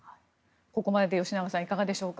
ここまでで吉永さんいかがでしょうか。